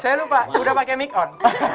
saya lupa udah pake mic on